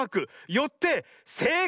よってせいかい！